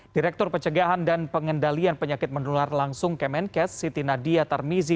direktur pencegahan dan pengendalian penyakit menular langsung kemenkes siti nadia tarmizi